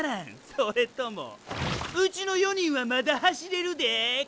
それとも「うちの４人はまだ走れるで」か？